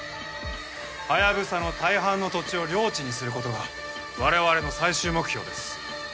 ハヤブサの大半の土地を領地にする事が我々の最終目標です。